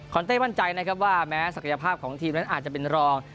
เต้มั่นใจนะครับว่าแม้ศักยภาพของทีมนั้นอาจจะเป็นรอง